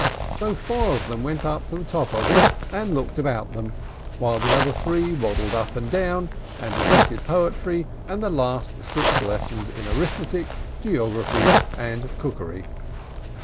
So four of them went up to the top of it, and looked about them; while the other three waddled up and down, and repeated poetry, and their last six lessons in arithmetic, geography, and cookery.